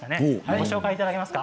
ご紹介いただけますか？